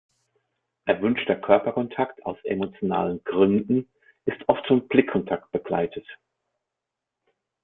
Erwünschter Körperkontakt aus emotionalen Gründen ist oft von Blickkontakt begleitet.